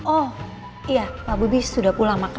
oh iya pak bobi sudah pulang